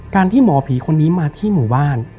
ที่หมอผีคนนี้มาที่หมู่บ้าน